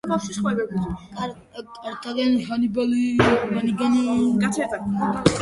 კართაგენელებს მეთაურობდა ჰანიბალი, ხოლო რომაელებს მარკუს კლაუდიუს მარცელიუსი.